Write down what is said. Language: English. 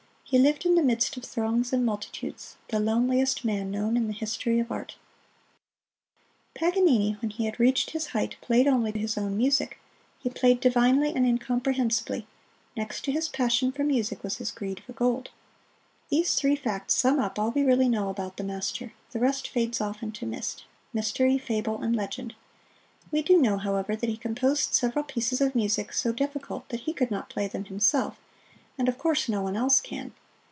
He lived in the midst of throngs and multitudes the loneliest man known in the history of art. Paganini, when he had reached his height, played only his own music; he played divinely and incomprehensibly; next to his passion for music was his greed for gold. These three facts sum up all we really know about the master the rest fades off into mist mystery, fable and legend. We do know, however, that he composed several pieces of music so difficult that he could not play them himself, and of course no one else can.